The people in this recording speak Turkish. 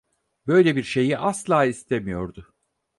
Böyle bir şeyi asla istemiyordu.